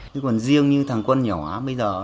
còn riêng như thằng con nhỏ bây giờ